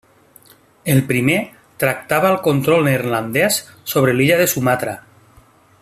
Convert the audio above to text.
El primer tractava el control neerlandès sobre l'illa de Sumatra.